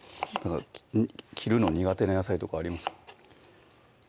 切るの苦手な野菜とかあります？